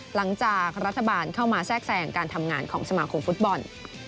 หลังจากรัฐบาลเข้ามาแทรกแทรงการทำงานของสมาคมฟุตบอล